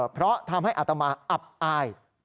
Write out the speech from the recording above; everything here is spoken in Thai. เพราะทำให้อาตมาอับอาย